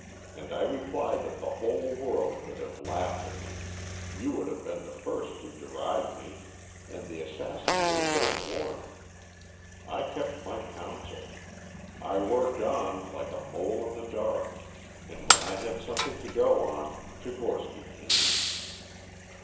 And I replied that the whole world would have laughed at me; you would have been the first to deride me, and the assassin would have been warned. I kept my counsel; I worked on like a mole in the dark; and when I had something to go on, Tchigorsky came.